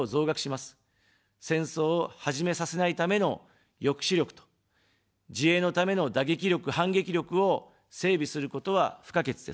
戦争を始めさせないための抑止力と、自衛のための打撃力、反撃力を整備することは不可欠です。